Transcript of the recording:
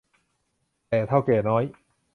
แต่ เถ้าแก่น้อย